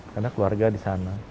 karena keluarga di sana